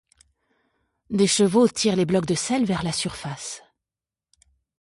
Des chevaux tirent les blocs de sel vers la surface.